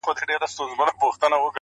پر نوزادو ارمانونو، د سکروټو باران وينې.